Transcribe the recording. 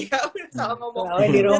terawih di rumah